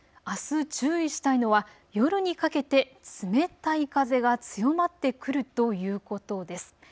あす注意したいのは夜にかけて冷たい風が強まってくるということです。